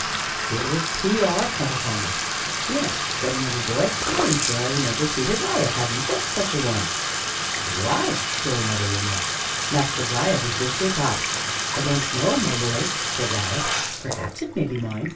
"Here is 'P.R.' cut upon it." "Yes," said another boy, "I am sure I remember Peter Riot having just such a one." "So do I," still another remarked. "Master Riot, is this your top?" "I don't know, my lord," said Riot; "perhaps it may be mine.